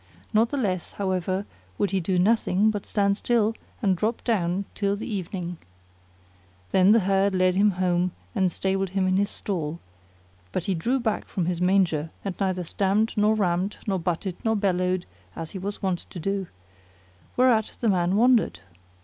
Not the less, however, would he do nothing but stand still and drop down till the evening. Then the herd led him home and stabled him in his stall: but he drew back from his manger and neither stamped nor ramped nor butted nor bellowed as he was wont to do; whereat the man wondered.